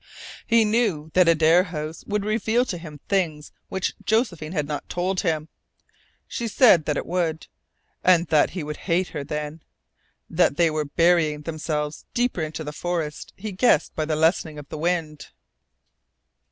He knew that Adare House would reveal to him things which Josephine had not told him. She had said that it would, and that he would hate her then. That they were burying themselves deeper into the forest he guessed by the lessening of the wind.